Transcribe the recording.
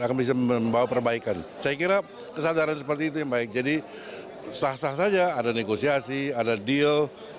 akan bisa membawa perbaikan saya kira kesadaran seperti itu yang baik jadi sah sah saja ada negosiasi ada deal